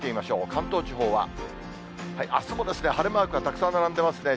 関東地方は、あすもですが、晴れマークがたくさん並んでますね。